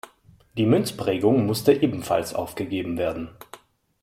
Die Münzprägung musste ebenfalls aufgegeben werden.